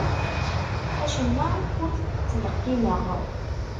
Acemma ur t-ttleqqimeɣ.